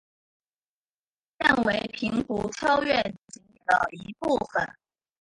现为平湖秋月景点的一部分。